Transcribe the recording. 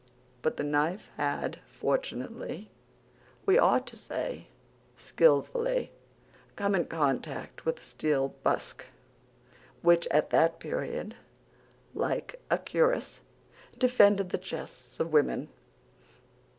But the knife had fortunately, we ought to say skillfully, come in contact with the steel busk, which at that period, like a cuirass, defended the chests of women.